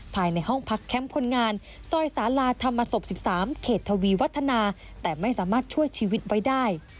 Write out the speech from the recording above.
ภายในห้องพักแคมป์คนงานซอยสาลาธรรมศพ๑๓เขตทวีวัฒนาแต่ไม่สามารถช่วยชีวิตไว้ได้